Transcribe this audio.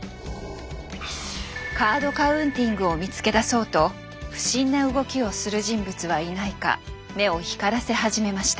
カード・カウンティングを見つけ出そうと不審な動きをする人物はいないか目を光らせ始めました。